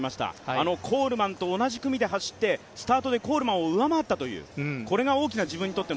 あのコールマンと同じレースを走ってスタートでコールマンを上回ったという、これが大きな自分にとって